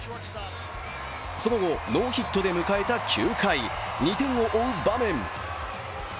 その後、ノーヒットで迎えた９回、２点を追う場面。